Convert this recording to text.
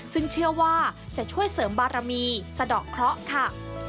ซึ่งเชื่อว่าจะช่วยเสริมบารมีสะดอกเคราะห์ค่ะ